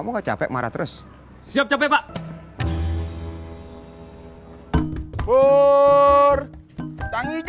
biar cyberbyte atau dértip ini oh nggg